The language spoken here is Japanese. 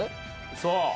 そう。